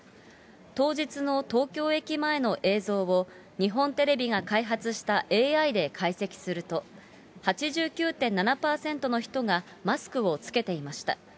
当日の東京駅前の映像を、日本テレビが開発したＡＩで解析すると、８９．７％の人がマスクを着けていました。